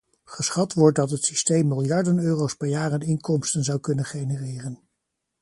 Geschat wordt dat het systeem miljarden euro's per jaar aan inkomsten zou kunnen genereren.